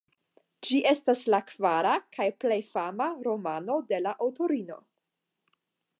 Ĝi estas la kvara kaj plej fama romano de la aŭtorino.